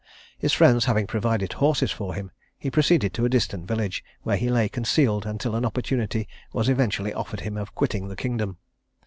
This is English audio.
His friends having provided horses for him, he proceeded to a distant village, where he lay concealed until an opportunity was eventually offered him of quitting the kingdom.